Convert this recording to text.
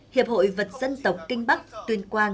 hiệp hội vật dân tộc kinh bắc tuyên quang